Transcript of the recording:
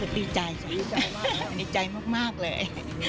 ก็ดีใจดีใจมากเลย